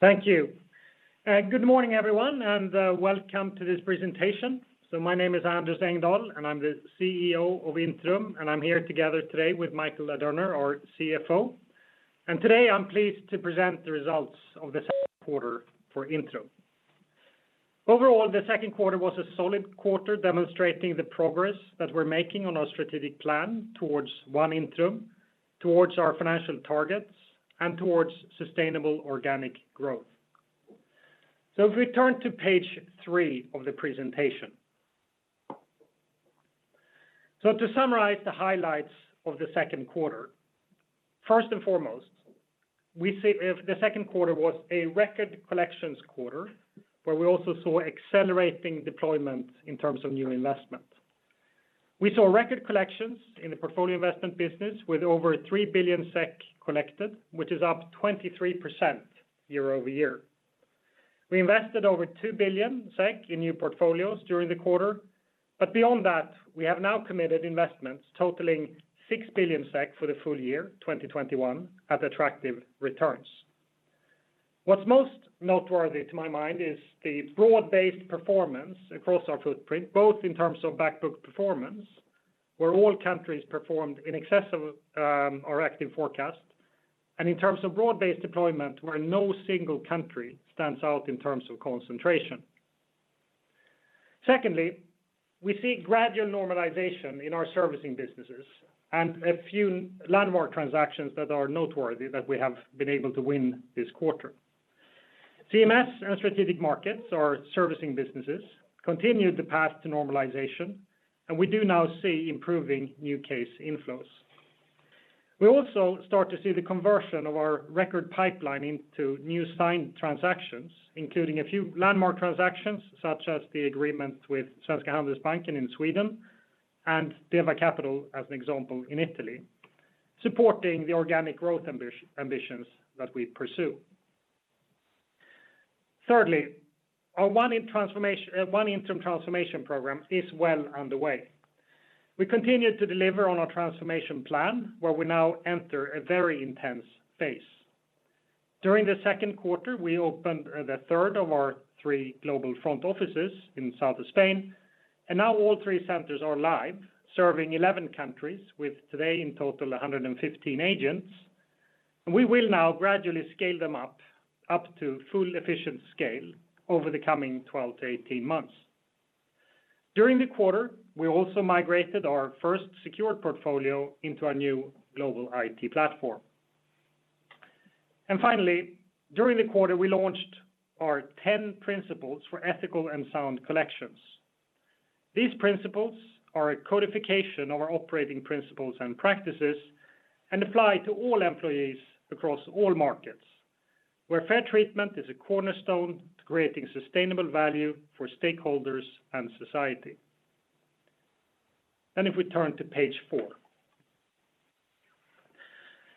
Thank you. Good morning, everyone, and welcome to this presentation. My name is Anders Engdahl, and I'm the CEO of Intrum, and I'm here together today with Michael Ladurner, our CFO. Today I'm pleased to present the results of the second quarter for Intrum. Overall, the second quarter was a solid quarter demonstrating the progress that we're making on our strategic plan towards One Intrum, towards our financial targets, and towards sustainable organic growth. If we turn to page three of the presentation. To summarize the highlights of the second quarter, first and foremost, the second quarter was a record collections quarter, where we also saw accelerating deployment in terms of new investment. We saw record collections in the portfolio investment business with over 3 billion SEK collected, which is up 23% year-over-year. We invested over 2 billion SEK in new portfolios during the quarter. Beyond that, we have now committed investments totaling 6 billion SEK for the full year 2021 at attractive returns. What's most noteworthy to my mind is the broad-based performance across our footprint, both in terms of back book performance, where all countries performed in excess of our active forecast, and in terms of broad-based deployment, where no single country stands out in terms of concentration. Secondly, we see gradual normalization in our servicing businesses and a few landmark transactions that are noteworthy that we have been able to win this quarter. CMS and strategic markets or servicing businesses continued the path to normalization, and we do now see improving new case inflows. We also start to see the conversion of our record pipeline into new signed transactions, including a few landmark transactions such as the agreement with Svenska Handelsbanken in Sweden and DeA Capital as an example in Italy, supporting the organic growth ambitions that we pursue. Thirdly, our One Intrum transformation program is well underway. We continue to deliver on our transformation plan where we now enter a very intense phase. During the 2nd quarter, we opened the 3rd of our three global front offices in south of Spain, and now all three centers are live, serving 11 countries with today in total 115 agents. We will now gradually scale them up to full efficient scale over the coming 12-18 months. During the quarter, we also migrated our 1st secured portfolio into a new global IT platform. Finally, during the quarter, we launched our 10 principles for ethical and sound collections. These principles are a codification of our operating principles and practices and apply to all employees across all markets, where fair treatment is a cornerstone to creating sustainable value for stakeholders and society. If we turn to page four.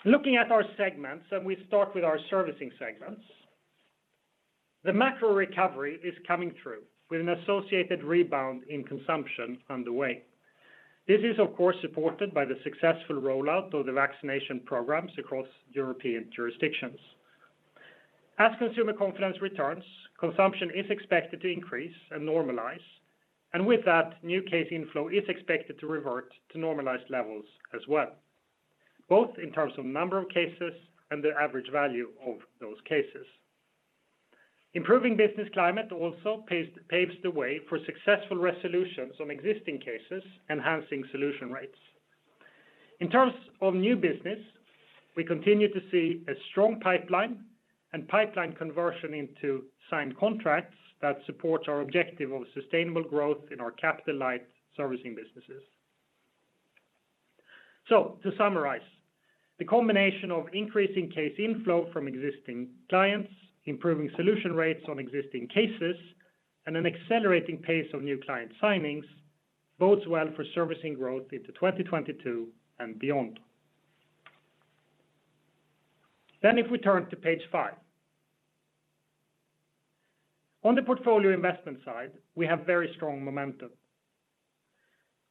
Looking at our segments, and we start with our servicing segments. The macro recovery is coming through with an associated rebound in consumption underway. This is, of course, supported by the successful rollout of the vaccination programs across European jurisdictions. As consumer confidence returns, consumption is expected to increase and normalize, and with that, new case inflow is expected to revert to normalized levels as well, both in terms of number of cases and the average value of those cases. Improving business climate also paves the way for successful resolutions on existing cases, enhancing solution rates. In terms of new business, we continue to see a strong pipeline and pipeline conversion into signed contracts that supports our objective of sustainable growth in our capital light servicing businesses. To summarize, the combination of increasing case inflow from existing clients, improving solution rates on existing cases, and an accelerating pace of new client signings bodes well for servicing growth into 2022 and beyond. If we turn to page five. On the portfolio investment side, we have very strong momentum.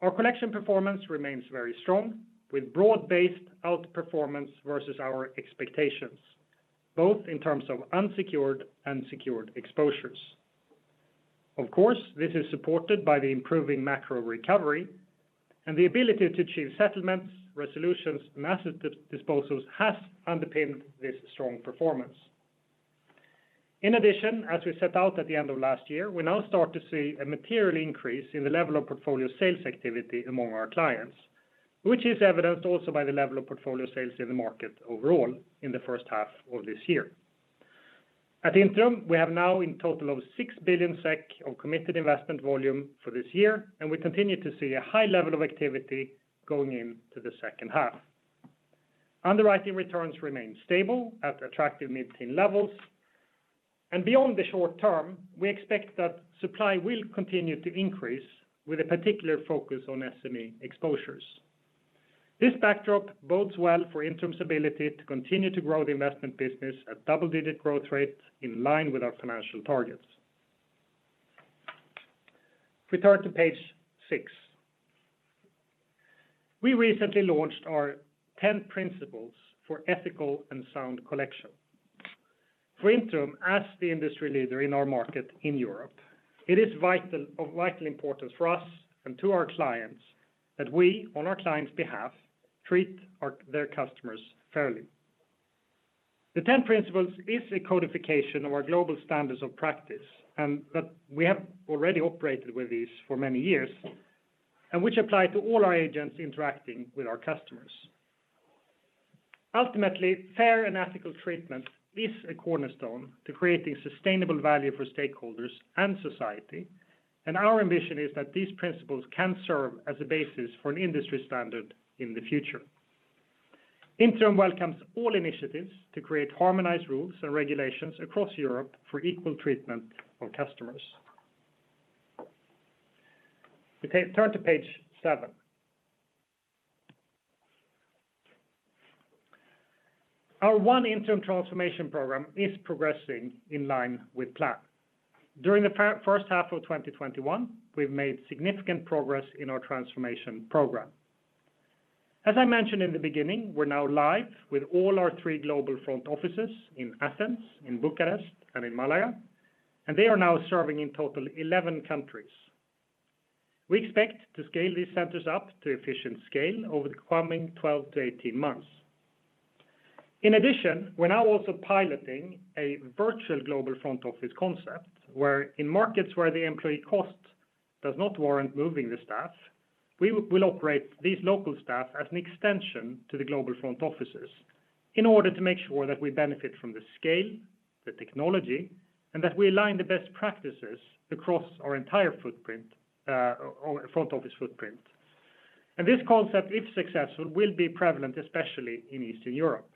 Our collection performance remains very strong, with broad-based outperformance versus our expectations, both in terms of unsecured and secured exposures. Of course, this is supported by the improving macro recovery and the ability to achieve settlements, resolutions, and asset disposals has underpinned this strong performance. As we set out at the end of last year, we now start to see a material increase in the level of portfolio sales activity among our clients, which is evidenced also by the level of portfolio sales in the market overall in the first half of this year. At Intrum, we have now in total over 6 billion SEK of committed investment volume for this year, and we continue to see a high level of activity going into the second half. Underwriting returns remain stable at attractive mid-teen levels. Beyond the short term, we expect that supply will continue to increase with a particular focus on SME exposures. This backdrop bodes well for Intrum's ability to continue to grow the investment business at double-digit growth rate in line with our financial targets. If we turn to page six. We recently launched our 10 principles for ethical and sound collection. For Intrum, as the industry leader in our market in Europe, it is of vital importance for us and to our clients that we, on our clients' behalf, treat their customers fairly. The 10 principles is a codification of our global standards of practice, and that we have already operated with these for many years, and which apply to all our agents interacting with our customers. Ultimately, fair and ethical treatment is a cornerstone to creating sustainable value for stakeholders and society, and our ambition is that these principles can serve as a basis for an industry standard in the future. Intrum welcomes all initiatives to create harmonized rules and regulations across Europe for equal treatment of customers. If we turn to page seven. Our One Intrum transformation program is progressing in line with plan. During the first half of 2021, we've made significant progress in our transformation program. As I mentioned in the beginning, we're now live with all our three global front offices in Athens, in Bucharest, and in Málaga. They are now serving in total 11 countries. We expect to scale these centers up to efficient scale over the coming 12-18 months. In addition, we're now also piloting a virtual global front office concept, where in markets where the employee cost does not warrant moving the staff, we will operate these local staff as an extension to the global front offices in order to make sure that we benefit from the scale, the technology, and that we align the best practices across our entire front office footprint. This concept, if successful, will be prevalent especially in Eastern Europe.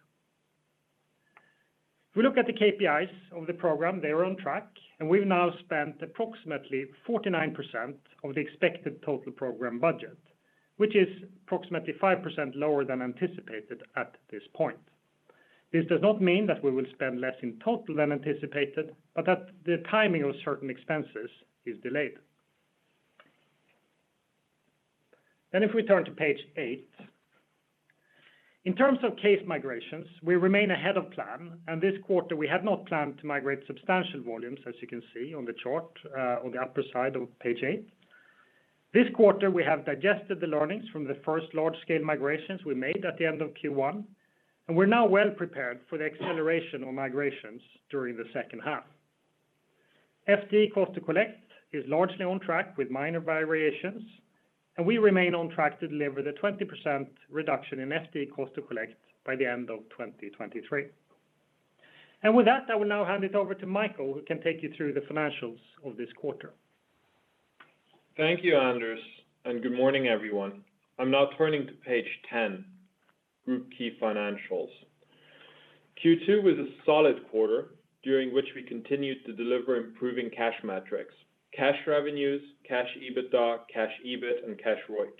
If we look at the KPIs of the program, they are on track, and we've now spent approximately 49% of the expected total program budget, which is approximately 5% lower than anticipated at this point. This does not mean that we will spend less in total than anticipated, but that the timing of certain expenses is delayed. If we turn to page eight. In terms of case migrations, we remain ahead of plan, and this quarter we had not planned to migrate substantial volumes, as you can see on the chart on the upper side of page eight. This quarter, we have digested the learnings from the first large-scale migrations we made at the end of Q1, and we're now well prepared for the acceleration on migrations during the second half. FD cost to collect is largely on track with minor variations, and we remain on track to deliver the 20% reduction in FD cost to collect by the end of 2023. With that, I will now hand it over to Michael, who can take you through the financials of this quarter. Thank you, Anders. Good morning, everyone. I'm now turning to page 10, group key financials. Q2 was a solid quarter during which we continued to deliver improving cash metrics, cash revenues, cash EBITDA, cash EBIT, and cash ROIC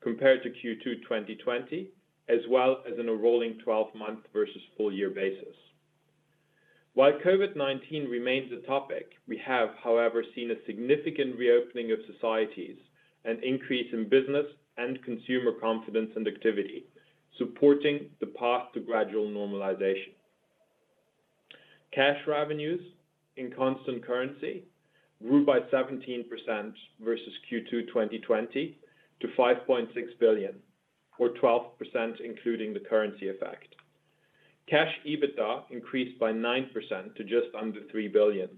compared to Q2 2020, as well as in a rolling 12-month versus full-year basis. While COVID-19 remains a topic, we have, however, seen a significant reopening of societies, an increase in business and consumer confidence and activity supporting the path to gradual normalization. Cash revenues in constant currency grew by 17% versus Q2 2020 to 5.6 billion, or 12% including the currency effect. Cash EBITDA increased by 9% to just under 3 billion.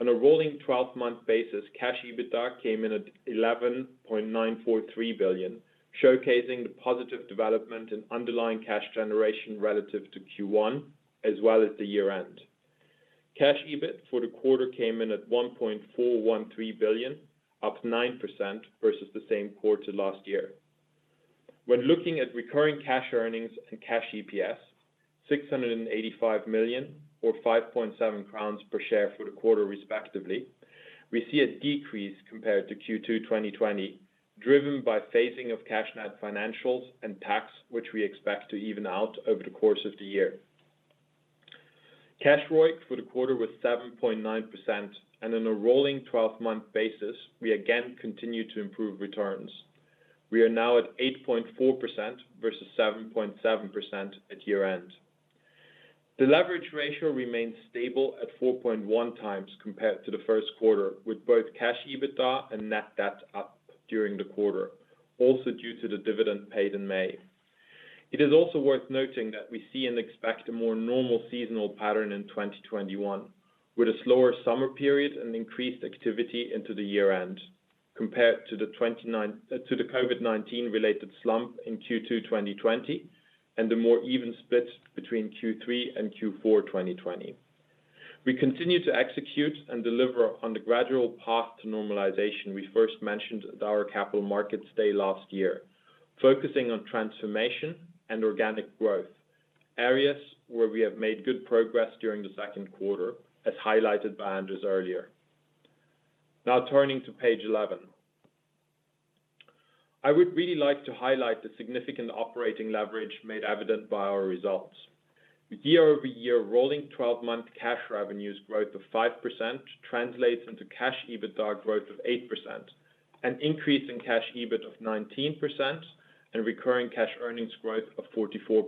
On a rolling 12-month basis, cash EBITDA came in at 11.943 billion, showcasing the positive development in underlying cash generation relative to Q1 as well as the year-end. Cash EBIT for the quarter came in at 1.413 billion, up 9% versus the same quarter last year. When looking at recurring cash earnings and cash EPS, 685 million or 5.7 crowns per share for the quarter respectively, we see a decrease compared to Q2 2020 driven by phasing of cash net financials and tax, which we expect to even out over the course of the year. Cash ROIC for the quarter was 7.9%, and on a rolling 12-month basis, we again continue to improve returns. We are now at 8.4% versus 7.7% at year-end. The leverage ratio remains stable at 4.1x compared to the first quarter with both cash EBITDA and net debt up during the quarter, also due to the dividend paid in May. It is also worth noting that we see and expect a more normal seasonal pattern in 2021 with a slower summer period and increased activity into the year-end compared to the COVID-19 related slump in Q2 2020 and the more even splits between Q3 and Q4 2020. We continue to execute and deliver on the gradual path to normalization we first mentioned at our Capital Markets Day last year, focusing on transformation and organic growth, areas where we have made good progress during the second quarter, as highlighted by Anders earlier. Now turning to page 11. I would really like to highlight the significant operating leverage made evident by our results. The year-over-year rolling 12-month cash revenues growth of 5% translates into cash EBITDA growth of 8%, an increase in cash EBIT of 19%, and recurring cash earnings growth of 44%.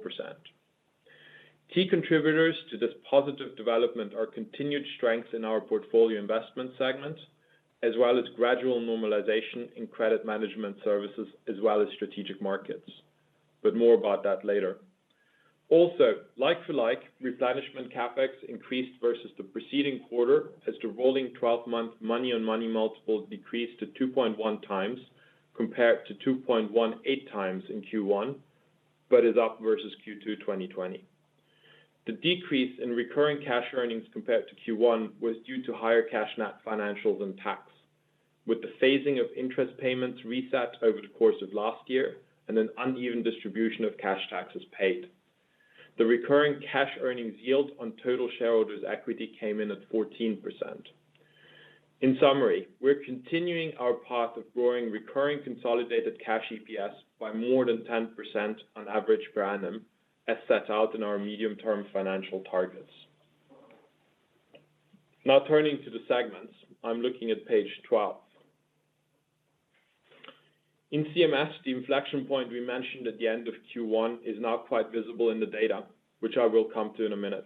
Key contributors to this positive development are continued strength in our portfolio investment segment, as well as gradual normalization in credit management services, as well as strategic markets. More about that later. Like-for-like replenishment CapEx increased versus the preceding quarter as the rolling 12-month money-on-money multiples decreased to 2.1x, compared to 2.18x in Q1, but is up versus Q2 2020. The decrease in recurring cash earnings compared to Q1 was due to higher cash net financials and tax, with the phasing of interest payments reset over the course of last year, and an uneven distribution of cash taxes paid. The recurring cash earnings yield on total shareholders' equity came in at 14%. In summary, we're continuing our path of growing recurring consolidated cash EPS by more than 10% on average per annum, as set out in our medium-term financial targets. Now turning to the segments. I'm looking at page 12. In CMS, the inflection point we mentioned at the end of Q1 is now quite visible in the data, which I will come to in a minute.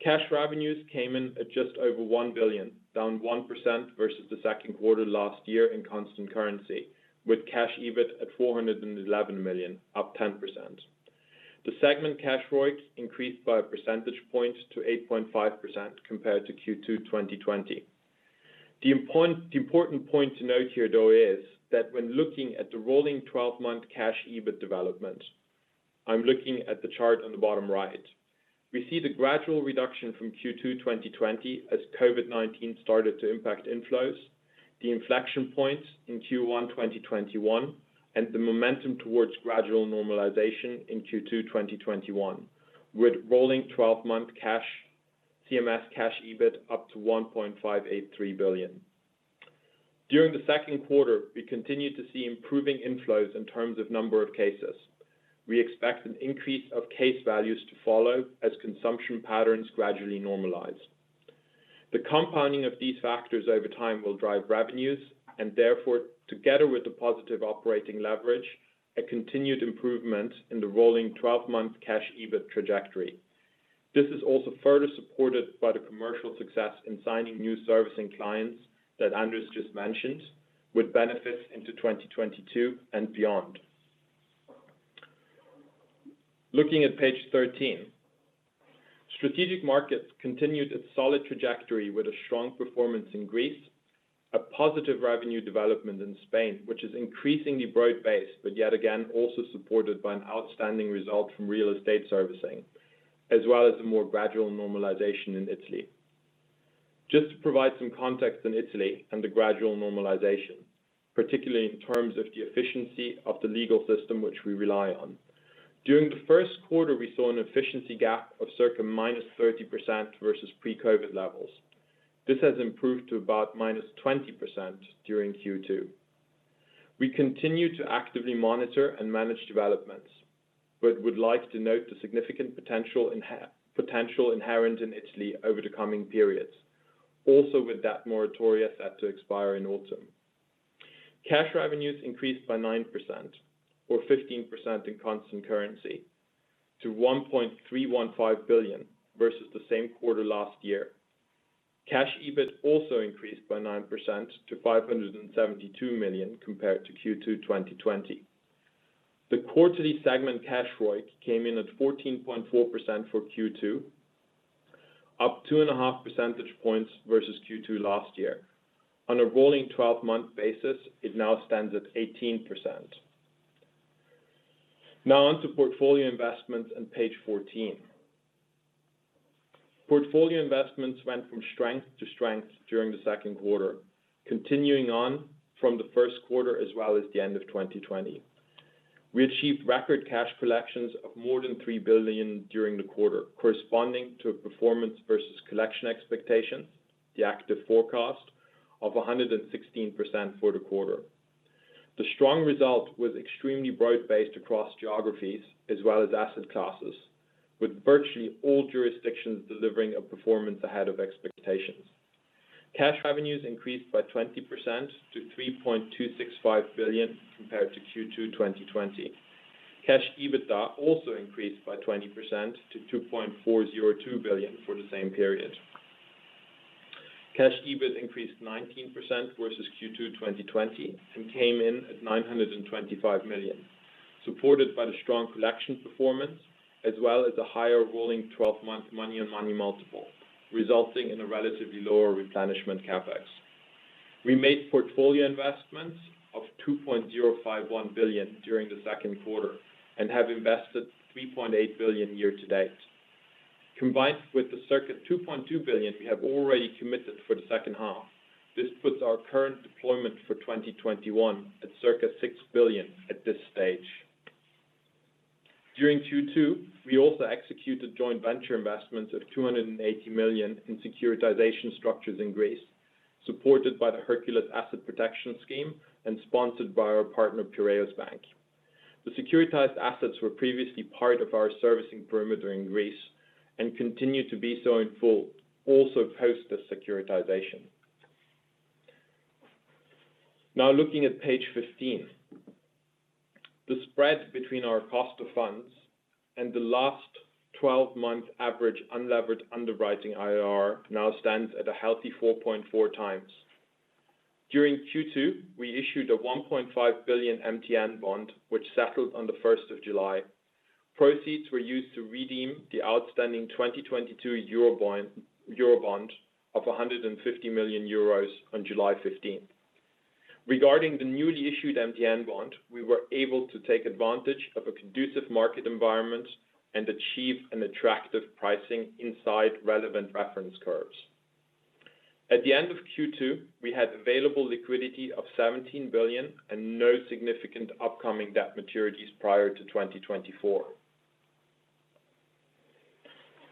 Cash revenues came in at just over 1 billion, down 1% versus the second quarter last year in constant currency, with cash EBIT at 411 million, up 10%. The segment cash ROIC increased by a percentage point to 8.5% compared to Q2 2020. The important point to note here, though, is that when looking at the rolling 12-month cash EBIT development, I'm looking at the chart on the bottom right. We see the gradual reduction from Q2 2020 as COVID-19 started to impact inflows, the inflection points in Q1 2021, and the momentum towards gradual normalization in Q2 2021, with rolling 12-month CMS cash EBIT up to 1.583 billion. During the second quarter, we continued to see improving inflows in terms of number of cases. We expect an increase of case values to follow as consumption patterns gradually normalize. The compounding of these factors over time will drive revenues and therefore, together with the positive operating leverage, a continued improvement in the rolling 12-month cash EBIT trajectory. This is also further supported by the commercial success in signing new servicing clients that Anders just mentioned, with benefits into 2022 and beyond. Looking at page 13. Strategic markets continued its solid trajectory with a strong performance in Greece, a positive revenue development in Spain, which is increasingly broad based, but yet again also supported by an outstanding result from real estate servicing, as well as a more gradual normalization in Italy. Just to provide some context in Italy and the gradual normalization, particularly in terms of the efficiency of the legal system which we rely on. During the 1st quarter, we saw an efficiency gap of circa minus 30% versus pre-COVID levels. This has improved to about minus 20% during Q2. We continue to actively monitor and manage developments, but would like to note the significant potential inherent in Italy over the coming periods, also with that moratoria set to expire in autumn. Cash revenues increased by 9%, or 15% in constant currency to 1.315 billion versus the same quarter last year. Cash EBIT also increased by 9% to 572 million compared to Q2 2020. The quarterly segment cash ROIC came in at 14.4% for Q2, up 2.5 percentage points versus Q2 last year. On a rolling 12-month basis, it now stands at 18%. Now on to portfolio investments and page 14. Portfolio investments went from strength to strength during the second quarter, continuing on from the first quarter as well as the end of 2020. We achieved record cash collections of more than 3 billion during the quarter, corresponding to a performance versus collection expectations, the active forecast of 116% for the quarter. The strong result was extremely broad based across geographies as well as asset classes, with virtually all jurisdictions delivering a performance ahead of expectations. Cash revenues increased by 20% to 3.265 billion compared to Q2 2020. Cash EBITDA also increased by 20% to 2.402 billion for the same period. Cash EBIT increased 19% versus Q2 2020, and came in at 925 million, supported by the strong collection performance, as well as a higher rolling 12-month money-on-money multiple, resulting in a relatively lower replenishment CapEx. We made portfolio investments of 2.051 billion during the second quarter and have invested 3.8 billion year to date. Combined with the circa 2.2 billion we have already committed for the second half, this puts our current deployment for 2021 at circa 6 billion at this stage. During Q2, we also executed joint venture investments of 280 million in securitization structures in Greece, supported by the Hercules Asset Protection Scheme and sponsored by our partner Piraeus Bank. The securitized assets were previously part of our servicing perimeter in Greece and continue to be so in full, also post the securitization. Looking at page 15. The spread between our cost of funds and the last 12-month average unlevered underwriting IRR now stands at a healthy 4.4x. During Q2, we issued a 1.5 billion MTN bond, which settled on the 1st of July. Proceeds were used to redeem the outstanding 2022 Eurobond of 150 million euros on July 15th. Regarding the newly issued MTN bond, we were able to take advantage of a conducive market environment and achieve an attractive pricing inside relevant reference curves. At the end of Q2, we had available liquidity of 17 billion and no significant upcoming debt maturities prior to 2024.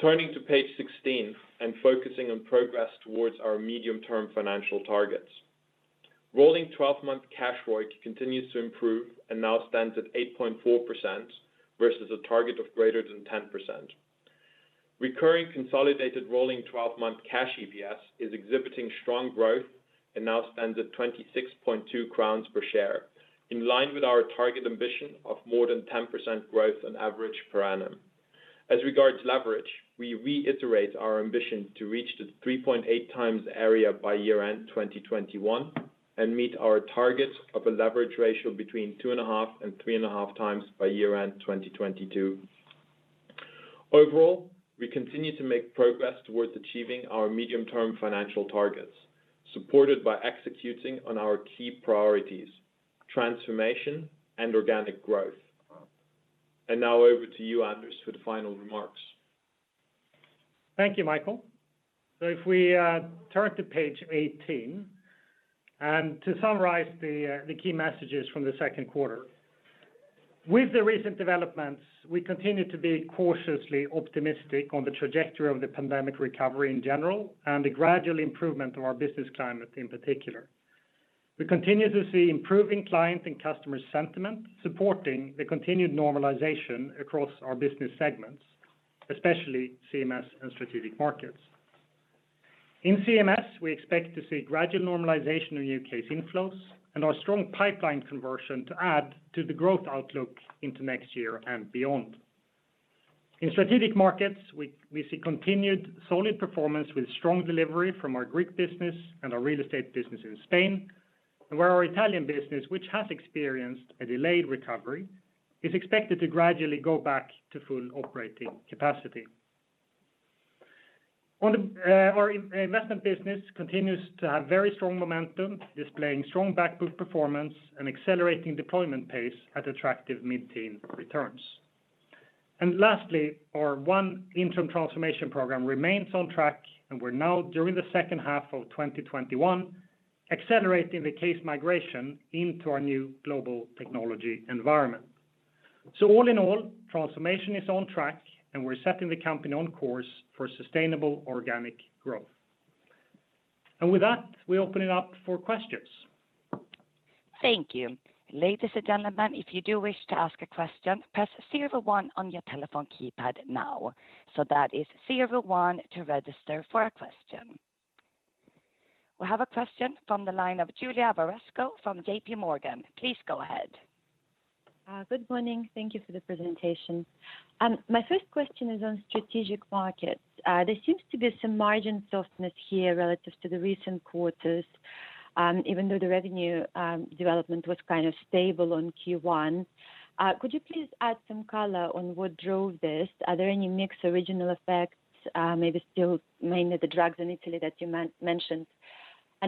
Turning to page 16 and focusing on progress towards our medium-term financial targets. Rolling 12-month cash ROIC continues to improve and now stands at 8.4% versus a target of greater than 10%. Recurring consolidated rolling 12-month cash EPS is exhibiting strong growth and now stands at 26.2 crowns per share, in line with our target ambition of more than 10% growth on average per annum. As regards leverage, we reiterate our ambition to reach the 3.8x area by year-end 2021 and meet our target of a leverage ratio between 2.5x and 3.5x by year-end 2022. Overall, we continue to make progress towards achieving our medium-term financial targets, supported by executing on our key priorities, transformation, and organic growth. Now over to you, Anders, for the final remarks. Thank you, Michael. If we turn to page 18 and to summarize the key messages from the second quarter. With the recent developments, we continue to be cautiously optimistic on the trajectory of the pandemic recovery in general and the gradual improvement of our business climate in particular. We continue to see improving client and customer sentiment supporting the continued normalization across our business segments, especially CMS and strategic markets. In CMS, we expect to see gradual normalization of new case inflows and our strong pipeline conversion to add to the growth outlook into next year and beyond. In strategic markets, we see continued solid performance with strong delivery from our Greek business and our real estate business in Spain. Where our Italian business, which has experienced a delayed recovery, is expected to gradually go back to full operating capacity. Our investment business continues to have very strong momentum, displaying strong backbook performance and accelerating deployment pace at attractive mid-teen returns. Lastly, our One Intrum transformation program remains on track, and we're now during the second half of 2021, accelerating the case migration into our new global technology environment. All in all, transformation is on track, and we're setting the company on course for sustainable organic growth. With that, we open it up for questions. Thank you. Ladies and gentlemen, if you do wish to ask a question, press zero one on your telephone keypad now. That is zero one to register for a question. We have a question from the line of Julia Varesko from JPMorgan. Please go ahead. Good morning. Thank you for the presentation. My first question is on strategic markets. There seems to be some margin softness here relative to the recent quarters, even though the revenue development was kind of stable on Q1. Could you please add some color on what drove this? Are there any mix original effects maybe still mainly the DeA in Italy that you mentioned?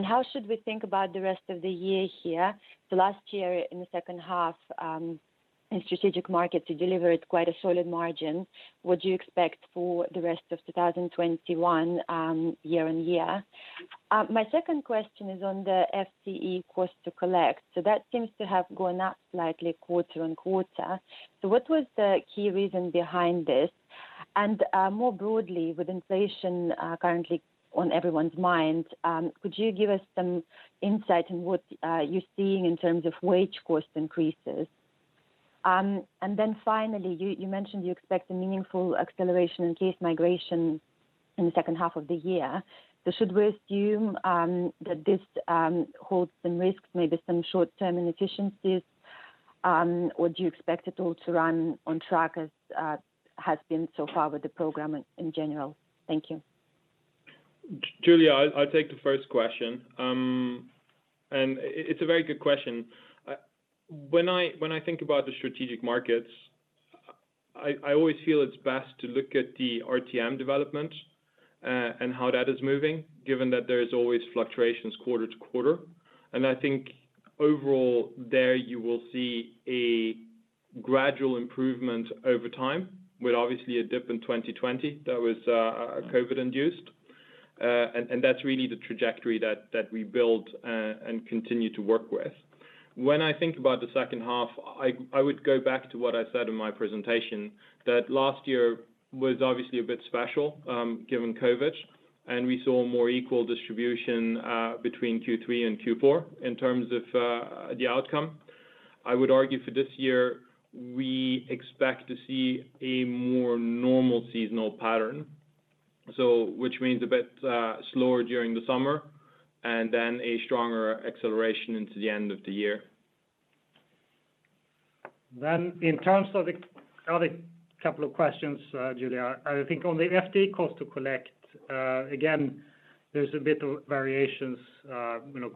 How should we think about the rest of the year here? Last year in the second half, in strategic markets, you delivered quite a solid margin. What do you expect for the rest of 2021, year-on-year? My second question is on the FD cost to collect. That seems to have gone up slightly quarter-on-quarter. What was the key reason behind this? More broadly, with inflation currently on everyone's mind, could you give us some insight on what you're seeing in terms of wage cost increases? Finally, you mentioned you expect a meaningful acceleration in case migration in the second half of the year. Should we assume that this holds some risks, maybe some short-term inefficiencies? Do you expect it all to run on track as has been so far with the program in general? Thank you. Julia, I'll take the first question. It's a very good question. When I think about the strategic markets, I always feel it's best to look at the RTM development and how that is moving, given that there is always fluctuations quarter to quarter. I think overall there you will see a gradual improvement over time with obviously a dip in 2020 that was COVID induced. That's really the trajectory that we built and continue to work with. When I think about the second half, I would go back to what I said in my presentation, that last year was obviously a bit special given COVID. We saw a more equal distribution between Q3 and Q4 in terms of the outcome. I would argue for this year, we expect to see a more normal seasonal pattern. Which means a bit slower during the summer, and then a stronger acceleration into the end of the year. In terms of the other couple of questions, Julia, I think on the FD cost to collect, again, there's a bit of variations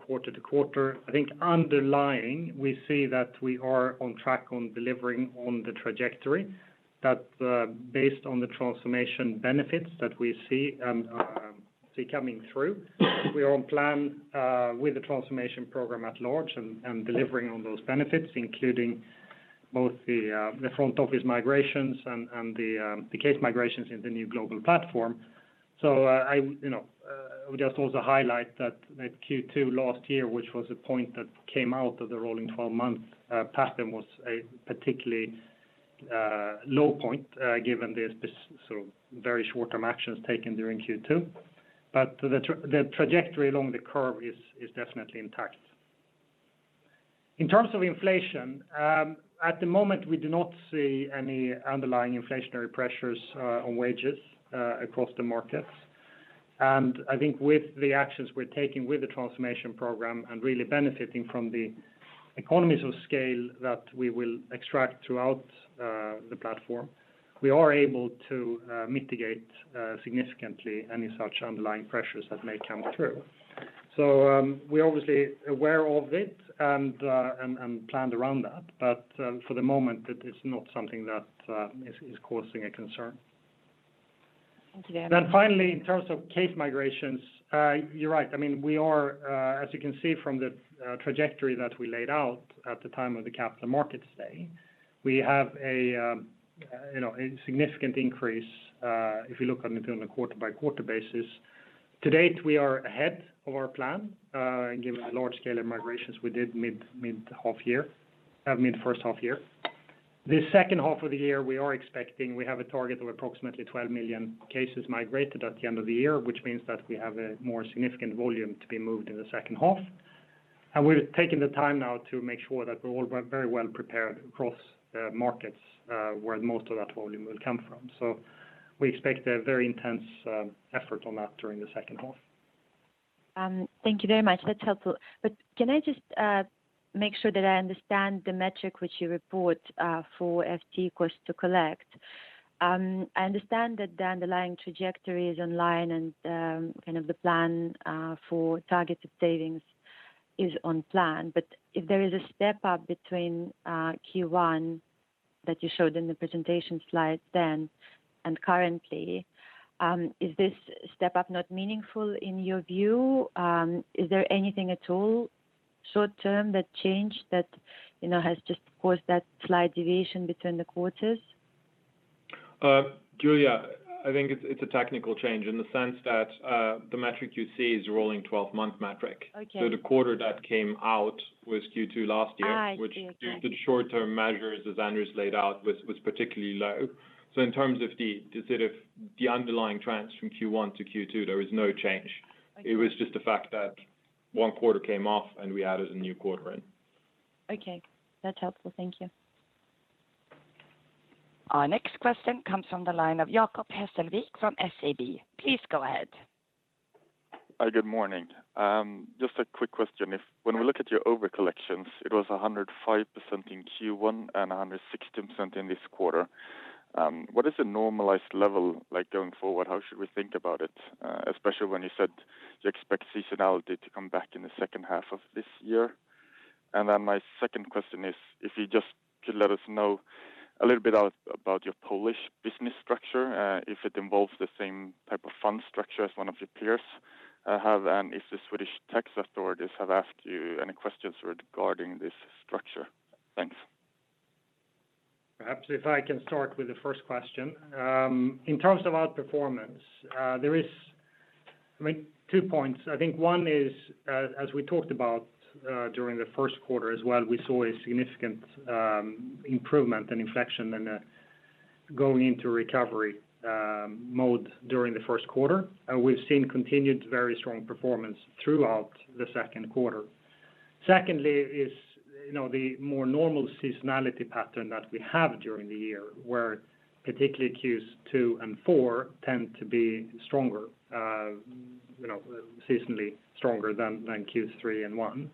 quarter-to-quarter. I think underlying, we see that we are on track on delivering on the trajectory that based on the transformation benefits that we see coming through. We are on plan with the transformation program at large and delivering on those benefits, including both the front office migrations and the case migrations in the new global platform. I would just also highlight that Q2 last year, which was a point that came out of the rolling 12-month pattern, was a particularly low point given the very short-term actions taken during Q2. The trajectory along the curve is definitely intact. In terms of inflation, at the moment, we do not see any underlying inflationary pressures on wages across the markets. I think with the actions we're taking with the transformation program and really benefiting from the economies of scale that we will extract throughout the platform, we are able to mitigate significantly any such underlying pressures that may come through. We're obviously aware of it and planned around that. For the moment, it is not something that is causing a concern. Thank you very much. Finally, in terms of case migrations, you're right. As you can see from the trajectory that we laid out at the time of the Capital Markets Day, we have a significant increase if you look on it on a quarter-by-quarter basis. To date, we are ahead of our plan given the large scale of migrations we did mid first half year. The second half of the year, we have a target of approximately 12 million cases migrated at the end of the year, which means that we have a more significant volume to be moved in the second half. We're taking the time now to make sure that we're all very well prepared across markets where most of that volume will come from. We expect a very intense effort on that during the second half. Thank you very much. That's helpful. Can I just make sure that I understand the metric which you report for FD cost to collect? I understand that the underlying trajectory is online and the plan for targeted savings is on plan. If there is a step up between Q1 that you showed in the presentation slide then and currently, is this step up not meaningful in your view? Is there anything at all short term that changed that has just caused that slight deviation between the quarters? Julia, I think it's a technical change in the sense that the metric you see is a rolling 12-month metric. Okay. The quarter that came out was Q2 last year. I see. Exactly. Which due to the short-term measures as Anders laid out, was particularly low. In terms of the underlying trends from Q1 to Q2, there is no change. Okay. It was just the fact that one quarter came off and we added a new quarter in. Okay. That's helpful. Thank you. Our next question comes from the line of Jacob Hesslevik from SEB. Please go ahead. Hi, good morning. Just a quick question. When we look at your over collections, it was 105% in Q1 and 116% in this quarter. What is the normalized level like going forward? How should we think about it, especially when you said you expect seasonality to come back in the second half of this year? My second question is if you just could let us know a little bit about your Polish business structure, if it involves the same type of fund structure as one of your peers have, and if the Swedish tax authorities have asked you any questions regarding this structure. Thanks. Perhaps if I can start with the first question. In terms of outperformance, there is two points. I think one is, as we talked about during the first quarter as well, we saw a significant improvement and inflection and going into recovery mode during the first quarter. We've seen continued very strong performance throughout the Q2. The more normal seasonality pattern that we have during the year where particularly Qs 2 and 4 tend to be seasonally stronger than Qs 3 and 1.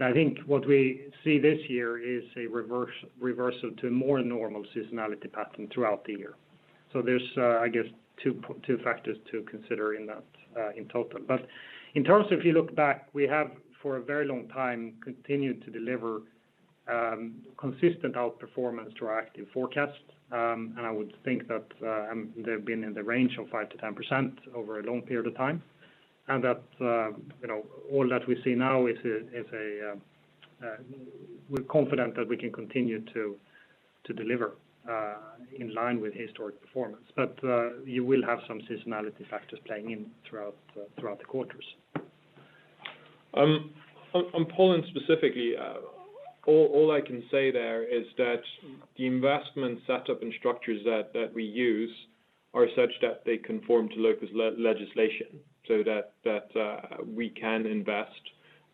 I think what we see this year is a reversal to more normal seasonality pattern throughout the year. There's two factors to consider in that in total. In terms of if you look back, we have for a very long time continued to deliver consistent outperformance through our active forecast. I would think that they've been in the range of 5%-10% over a long period of time, and that all that we see now is we're confident that we can continue to deliver in line with historic performance. You will have some seasonality factors playing in throughout the quarters. On Poland specifically, all I can say there is that the investment setup and structures that we use are such that they conform to local legislation so that we can invest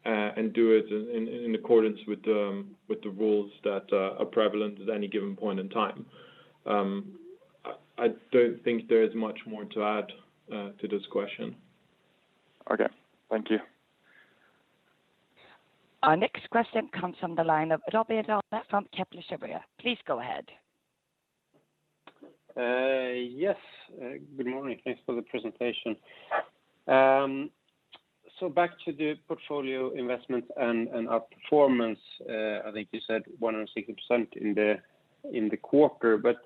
and do it in accordance with the rules that are prevalent at any given point in time. I don't think there is much more to add to this question. Okay. Thank you. Our next question comes from the line of Robert Arnott from Kepler Cheuvreux. Please go ahead. Yes. Good morning. Thanks for the presentation. Back to the portfolio investments and outperformance. I think you said 106% in the quarter, but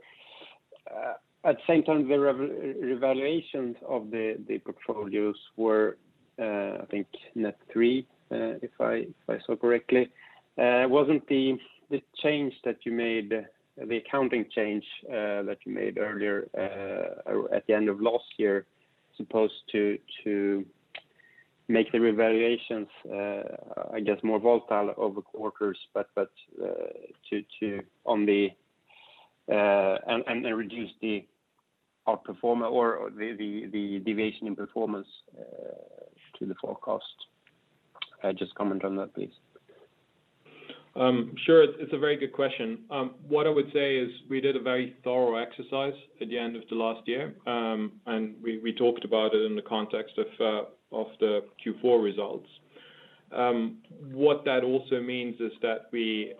at the same time, the revaluations of the portfolios were, I think net 3%, if I saw correctly. Wasn't the accounting change that you made earlier at the end of last year supposed to make the revaluations more volatile over quarters and reduce the outperformer or the deviation in performance to the forecast? Just comment on that, please. Sure. It's a very good question. What I would say is we did a very thorough exercise at the end of the last year, and we talked about it in the context of the Q4 results. What that also means is that we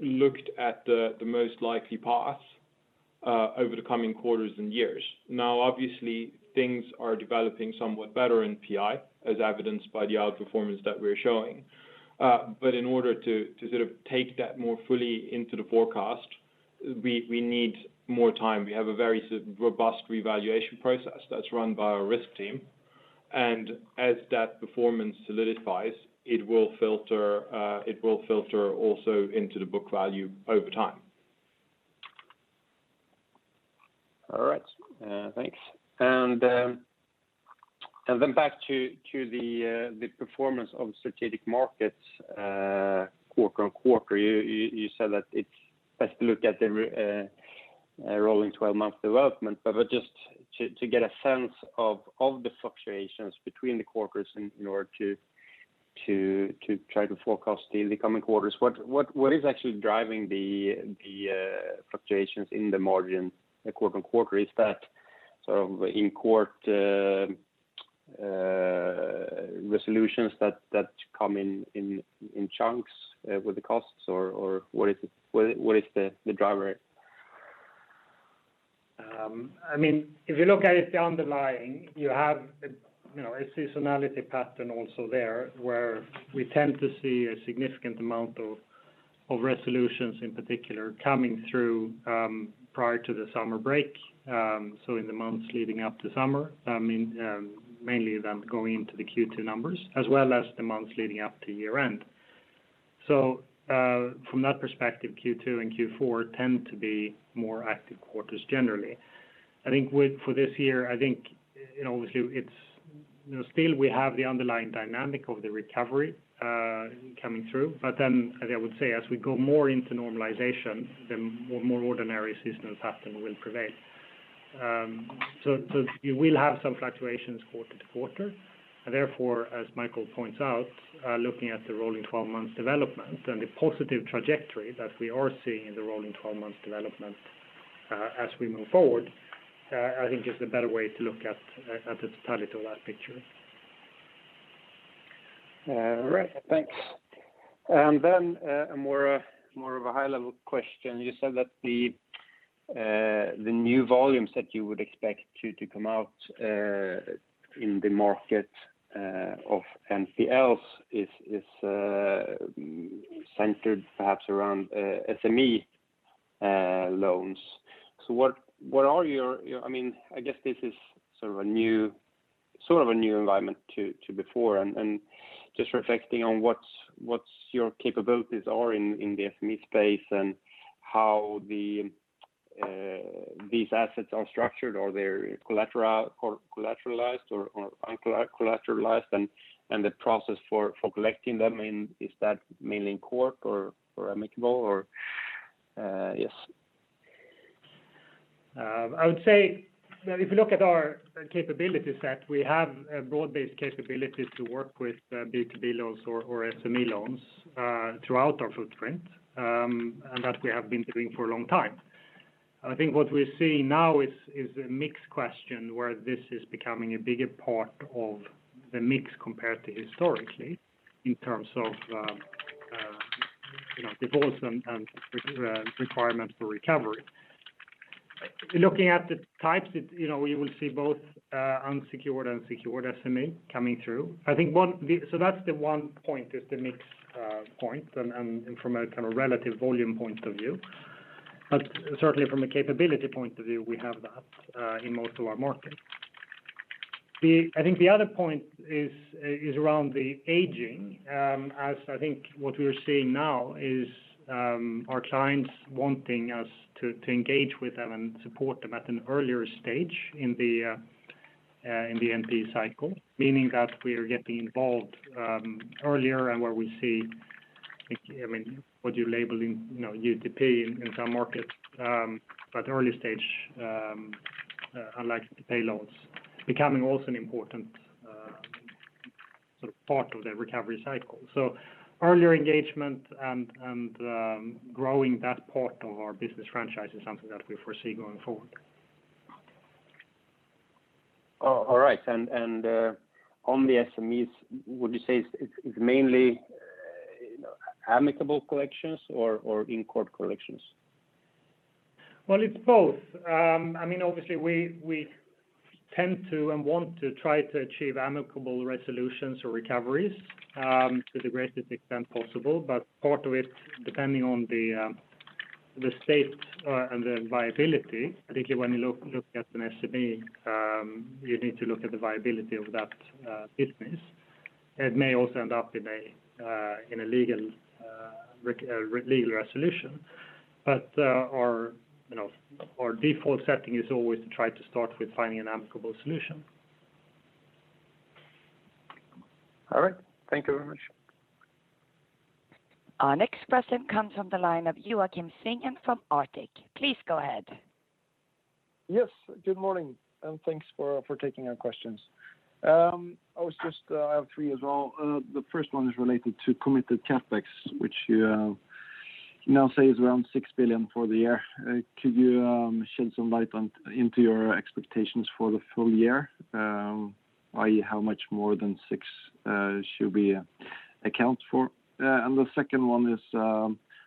looked at the most likely paths over the coming quarters and years. Obviously things are developing somewhat better in PI, as evidenced by the outperformance that we're showing. In order to sort of take that more fully into the forecast, we need more time. We have a very robust revaluation process that's run by our risk team, and as that performance solidifies, it will filter also into the book value over time. All right. Thanks. Back to the performance of strategic markets quarter-on-quarter. You said that it's best to look at the rolling 12-month development, but just to get a sense of the fluctuations between the quarters in order to try to forecast the coming quarters, what is actually driving the fluctuations in the margin quarter-on-quarter? Is that sort of in court resolutions that come in chunks with the costs or what is the driver? If you look at it the underlying, you have a seasonality pattern also there where we tend to see a significant amount of resolutions in particular coming through prior to the summer break. In the months leading up to summer, mainly then going into the Q2 numbers as well as the months leading up to year end. From that perspective, Q2 and Q4 tend to be more active quarters generally. I think for this year, obviously, still we have the underlying dynamic of the recovery coming through. As I would say, as we go more into normalization, the more ordinary seasonal pattern will prevail. You will have some fluctuations quarter to quarter, and therefore, as Michael points out, looking at the rolling 12 months development and the positive trajectory that we are seeing in the rolling 12 months development as we move forward I think is the better way to look at the totality of that picture. All right. Thanks. Then more of a high level question. You said that the new volumes that you would expect to come out in the market of NPLs is centered perhaps around SME loans. I guess this is sort of a new environment to before and just reflecting on what your capabilities are in the SME space and how these assets are structured. Are they collateralized or uncollateralized and the process for collecting them, is that mainly in court or amicable or Yes? I would say that if you look at our capability set, we have broad-based capabilities to work with B2B loans or SME loans throughout our footprint and that we have been doing for a long time. I think what we're seeing now is a mix question where this is becoming a bigger part of the mix compared to historically in terms of defaults and requirements for recovery. Looking at the types, we will see both unsecured and secured SME coming through. That's the one point is the mix point and from a kind of relative volume point of view. Certainly from a capability point of view, we have that in most of our markets. I think the other point is around the aging. I think what we are seeing now is our clients wanting us to engage with them and support them at an earlier stage in the NPL cycle, meaning that we are getting involved earlier and where we see what you label UTP in some markets, but early stage unlikely to pay loans becoming also an important part of the recovery cycle. Earlier engagement and growing that part of our business franchise is something that we foresee going forward. All right. On the SMEs, would you say it's mainly amicable collections or in-court collections? Well, it's both. Obviously, we tend to and want to try to achieve amicable resolutions or recoveries to the greatest extent possible. Part of it, depending on the state and the viability, I think when you look at an SME you need to look at the viability of that business. It may also end up in a legal resolution. Our default setting is always to try to start with finding an amicable solution. All right. Thank you very much. Our next question comes from the line of Joakim Svingen from Arctic Securities. Please go ahead. Yes, good morning, and thanks for taking our questions. I have three as well. The first one is related to committed CapEx, which you now say is around 6 billion for the year. Could you shed some light into your expectations for the full year? i.e., how much more than 6 billion should be accounted for? The second one is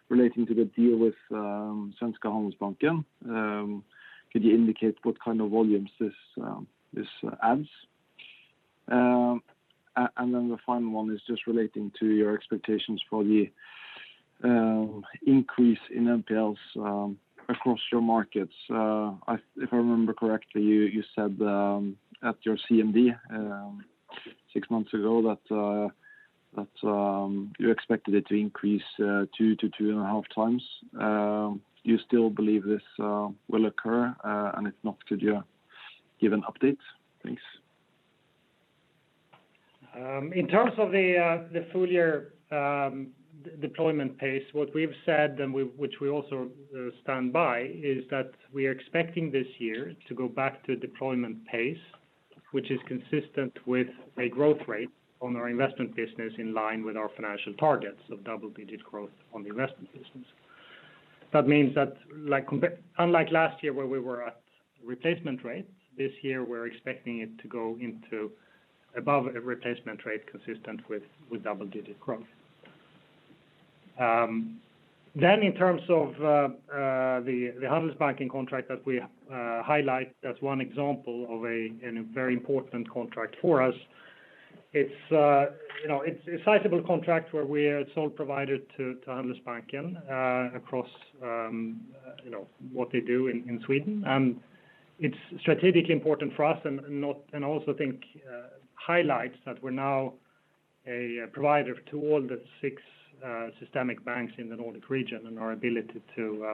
relating to the deal with Svenska Handelsbanken. Could you indicate what kind of volumes this adds? The final one is just relating to your expectations for the increase in NPLs across your markets. If I remember correctly, you said at your CMD six months ago that you expected it to increase 2x-2.5x. Do you still believe this will occur? If not, could you give an update, please? In terms of the full year deployment pace, what we've said, and which we also stand by, is that we are expecting this year to go back to deployment pace, which is consistent with a growth rate on our investment business in line with our financial targets of double-digit growth on the investment business. That means that unlike last year where we were at replacement rate, this year, we're expecting it to go into above a replacement rate consistent with double-digit growth. In terms of the Handelsbanken contract that we highlight as one example of a very important contract for us, it's a sizable contract where we are sole provider to Handelsbanken across what they do in Sweden. It's strategically important for us and also I think highlights that we're now a provider to all the six systemic banks in the Nordic region and our ability to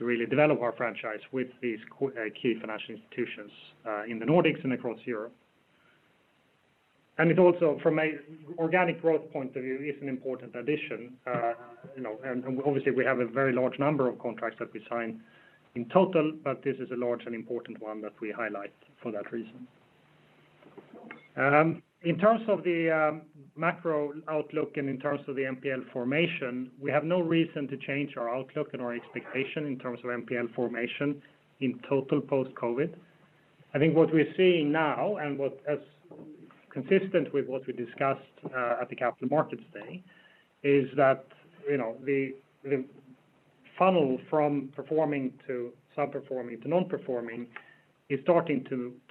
really develop our franchise with these key financial institutions in the Nordics and across Europe. It also, from an organic growth point of view, is an important addition. Obviously, we have a very large number of contracts that we sign in total, but this is a large and important one that we highlight for that reason. In terms of the macro outlook and in terms of the NPL formation, we have no reason to change our outlook and our expectation in terms of NPL formation in total post-COVID. I think what we're seeing now, and as consistent with what we discussed at the Capital Markets Day, is that the funnel from performing to sub-performing to non-performing is starting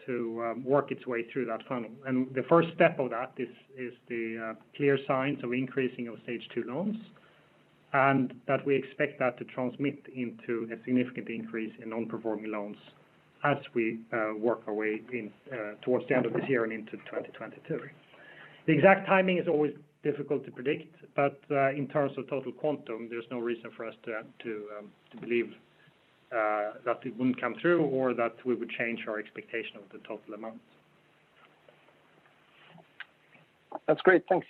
to work its way through that funnel. The first step of that is the clear signs of increasing of Stage 2 loans, and that we expect that to transmit into a significant increase in non-performing loans as we work our way towards the end of this year and into 2023. The exact timing is always difficult to predict, but in terms of total quantum, there's no reason for us to believe that it wouldn't come through or that we would change our expectation of the total amount. That's great. Thanks.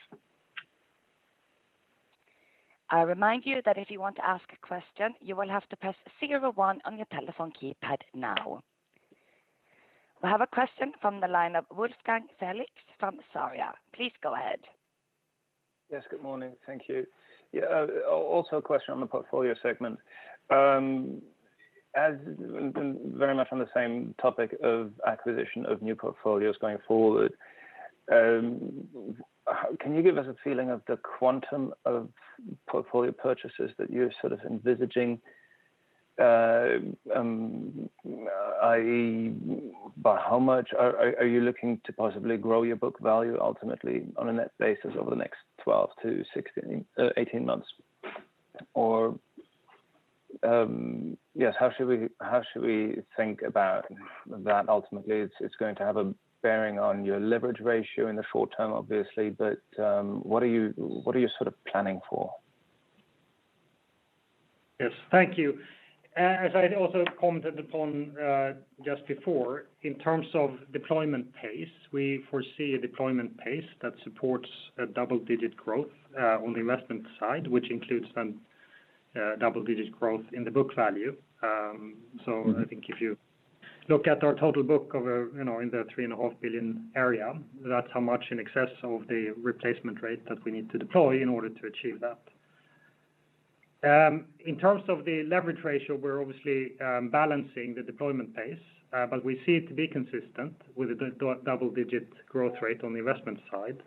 I remind you that if you want to ask a question, you will have to press zero one on your telephone keypad now. We have a question from the line of Wolfgang Felix from Sarria. Please go ahead. Yes, good morning. Thank you. A question on the portfolio segment. Very much on the same topic of acquisition of new portfolios going forward, can you give us a feeling of the quantum of portfolio purchases that you're envisaging, i.e., by how much are you looking to possibly grow your book value ultimately on a net basis over the next 12 to 18 months? How should we think about that ultimately? It's going to have a bearing on your leverage ratio in the short term, obviously. What are you planning for? Yes. Thank you. As I also commented upon just before, in terms of deployment pace, we foresee a deployment pace that supports a double-digit growth on the investment side, which includes then double-digit growth in the book value. I think if you look at our total book in the 3.5 billion area, that's how much in excess of the replacement rate that we need to deploy in order to achieve that. In terms of the leverage ratio, we're obviously balancing the deployment pace, but we see it to be consistent with a double-digit growth rate on the investment side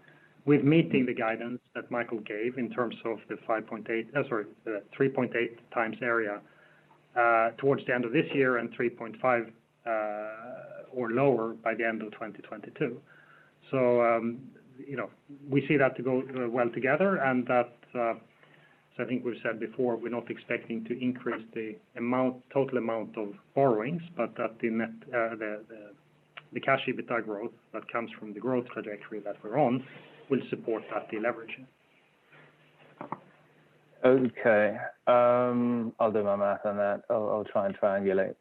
with meeting the guidance that Michael gave in terms of the 3.8x area towards the end of this year and 3.5x or lower by the end of 2022. We see that to go well together and as I think we've said before, we're not expecting to increase the total amount of borrowings, but that the cash EBITDA growth that comes from the growth trajectory that we're on will support that deleveraging. Okay. I'll do my math on that. I'll try and triangulate.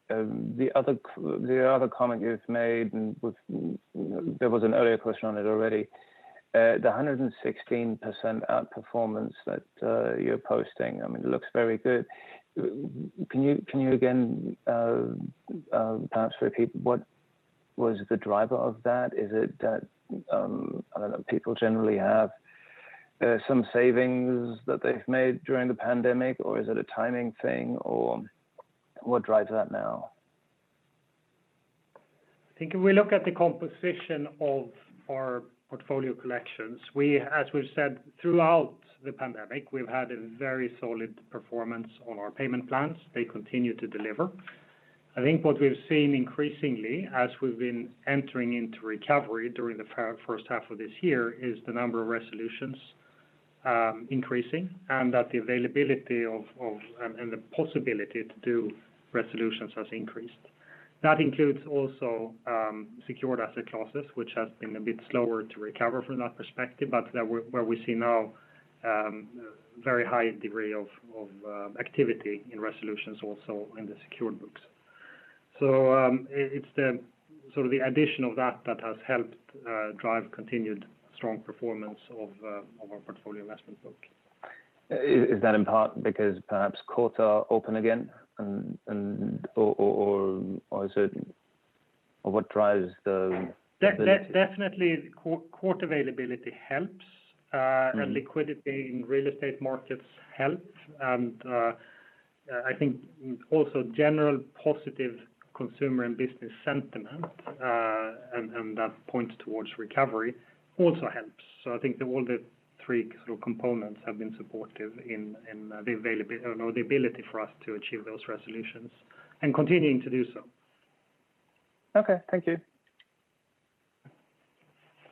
The other comment you've made, and there was an earlier question on it already, the 116% outperformance that you're posting looks very good. Can you again perhaps repeat what was the driver of that? Is it that people generally have some savings that they've made during the pandemic, or is it a timing thing, or what drives that now? I think if we look at the composition of our portfolio collections, as we've said throughout the pandemic, we've had a very solid performance on our payment plans. They continue to deliver. I think what we've seen increasingly as we've been entering into recovery during the first half of this year is the number of resolutions increasing, and that the availability and the possibility to do resolutions has increased. That includes also secured asset classes, which has been a bit slower to recover from that perspective, but where we see now very high degree of activity in resolutions also in the secured books. It's the addition of that that has helped drive continued strong performance of our portfolio investment book. Is that in part because perhaps courts are open again, or what drives the availability? Definitely court availability helps. Liquidity in real estate markets helps. I think also general positive consumer and business sentiment and that point towards recovery also helps. I think that all the three sort of components have been supportive in the ability for us to achieve those resolutions and continuing to do so. Okay. Thank you.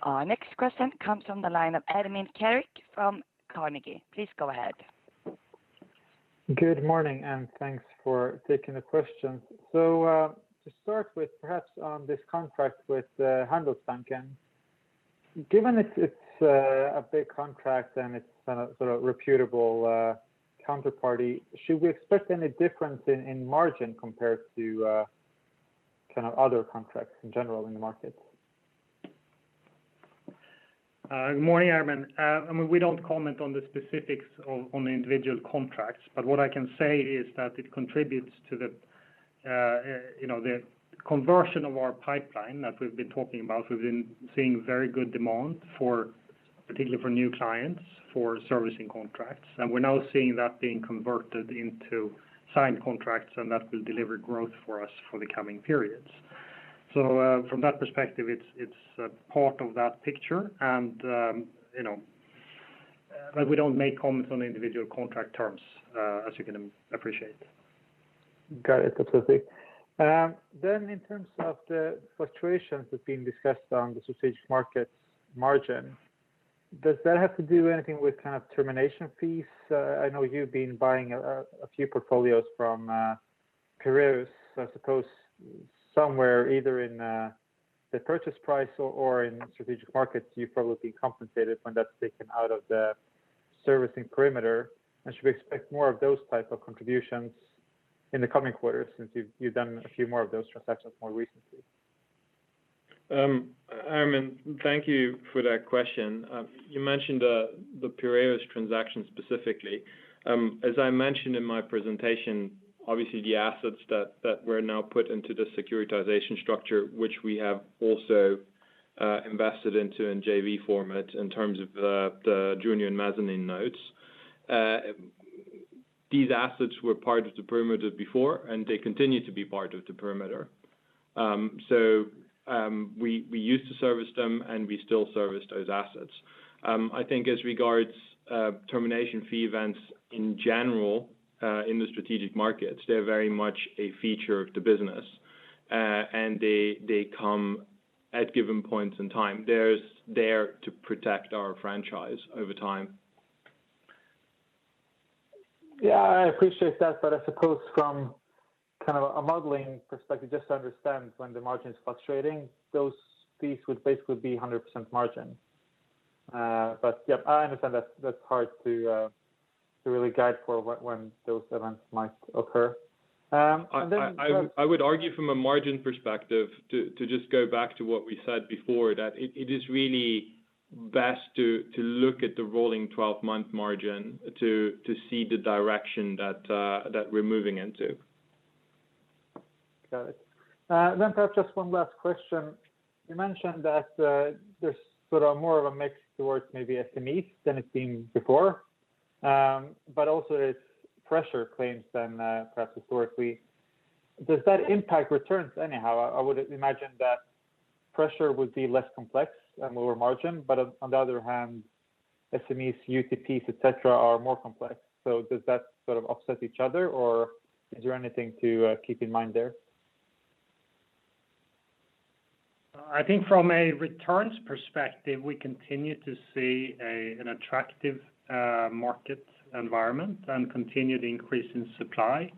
Our next question comes from the line of Ermin Keric from Carnegie. Please go ahead. Good morning, and thanks for taking the questions. To start with perhaps on this contract with Handelsbanken, given it's a big contract and it's a sort of reputable counterparty, should we expect any difference in margin compared to kind of other contracts in general in the market? Good morning, Ermin. We don't comment on the specifics on the individual contracts, but what I can say is that it contributes to the conversion of our pipeline that we've been talking about. We've been seeing very good demand particularly for new clients for servicing contracts, and we're now seeing that being converted into signed contracts, and that will deliver growth for us for the coming periods. From that perspective, it's a part of that picture, but we don't make comments on individual contract terms as you can appreciate. Got it. That's okay. In terms of the fluctuations that's been discussed on the strategic markets margin, does that have to do anything with kind of termination fees? I know you've been buying a few portfolios from Piraeus Bank. I suppose somewhere either in the purchase price or in strategic markets, you've probably been compensated when that's taken out of the servicing perimeter. Should we expect more of those type of contributions in the coming quarters since you've done a few more of those transactions more recently? Ermin, thank you for that question. You mentioned the Piraeus transaction specifically. As I mentioned in my presentation, obviously the assets that were now put into the securitization structure, which we have also invested into in JV format in terms of the junior and mezzanine notes. These assets were part of the perimeter before, they continue to be part of the perimeter. We used to service them, we still service those assets. I think as regards termination fee events in general in the strategic markets, they're very much a feature of the business. They come at given points in time. They're there to protect our franchise over time. Yeah, I appreciate that, I suppose from a modeling perspective, just to understand when the margin is fluctuating, those fees would basically be 100% margin. I understand that's hard to really guide for when those events might occur. I would argue from a margin perspective to just go back to what we said before, that it is really best to look at the rolling 12-month margin to see the direction that we're moving into. Got it. Perhaps just one last question. You mentioned that there's sort of more of a mix towards maybe SMEs than it's been before. Also it's fresher claims than perhaps historically. Does that impact returns anyhow? I would imagine that fresher would be less complex and lower margin, on the other hand, SMEs, UTPs, et cetera, are more complex. Does that sort of offset each other or is there anything to keep in mind there? I think from a returns perspective, we continue to see an attractive market environment and continued increase in supply.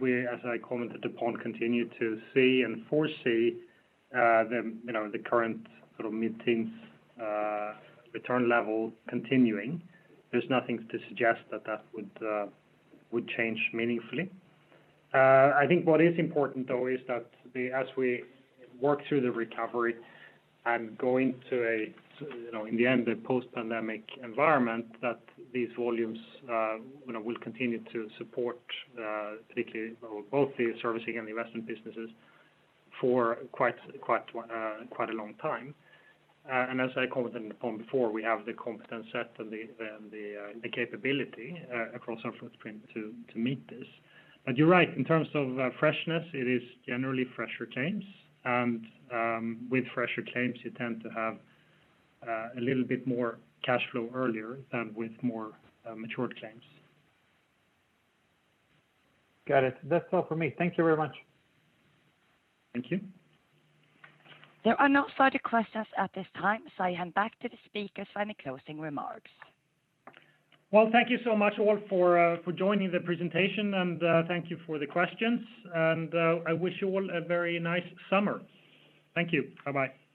We, as I commented upon, continue to see and foresee the current sort of mid-teens return level continuing. There's nothing to suggest that that would change meaningfully. I think what is important though is that as we work through the recovery and go into, in the end, the post-pandemic environment, that these volumes will continue to support particularly both the servicing and the investment businesses for quite a long time. As I commented upon before, we have the competence set and the capability across our footprint to meet this. You're right, in terms of freshness, it is generally fresher claims. With fresher claims, you tend to have a little bit more cash flow earlier than with more matured claims. Got it. That's all from me. Thank you very much. Thank you. There are no further questions at this time, so I hand back to the speakers for any closing remarks. Well, thank you so much all for joining the presentation and thank you for the questions. I wish you all a very nice summer. Thank you. Bye-bye.